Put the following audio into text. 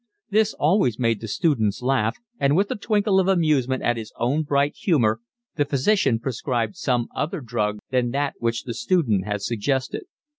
This always made the students laugh, and with a twinkle of amusement at his own bright humour the physician prescribed some other drug than that which the student had suggested.